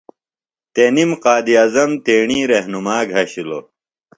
تنم قائداعظم تیݨی رہنُما گھشِلوۡ۔